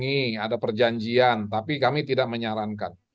ada pendungi ada perjanjian tapi kami tidak menyarankan